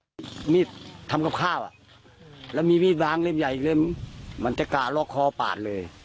มีมีดทำกับข้าวแล้วมีมีดวางเล็มใหญ่มันจะกะล็อกคอปาดเลย